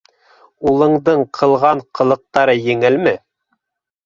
Улыңдың ҡылған ҡылыҡтары еңелме?